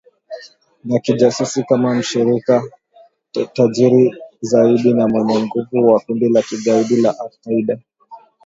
na kijasusi kama mshirika tajiri zaidi na mwenye nguvu wa kundi la kigaidi la al Qaida